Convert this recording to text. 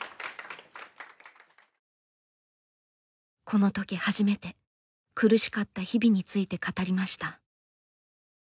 この時初めて苦しかった日々について語りました。